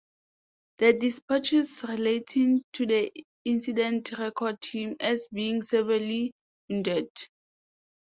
The despatches relating to the incident record him as being severely wounded.